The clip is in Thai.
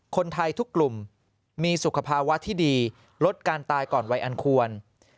คนไทยทุกกลุ่มมีสุขภาวะที่ดีลดการตายก่อนวัยอันควร